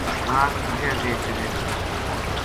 اشفاق اگے اگے چلے تھو